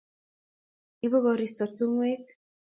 Ibu koristo tungwek